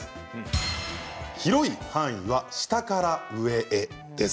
広い範囲は下から上です。